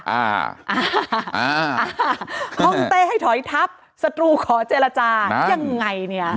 อ่าอ่าห้องเต้ให้ถอยทับศัตรูขอเจรจายังไงเนี่ย